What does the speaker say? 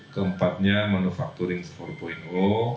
keempatnya manufacturing empat